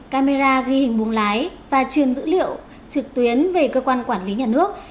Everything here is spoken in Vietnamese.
camera ghi hình buông lái và truyền dữ liệu trực tuyến về cơ quan quản lý nhà nước